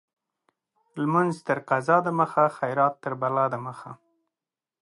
لمونځ تر قضا د مخه ، خيرات تر بلا د مخه.